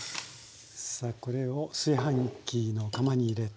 さあこれを炊飯器の釜に入れて。